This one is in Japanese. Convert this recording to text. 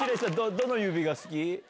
どの指が好き？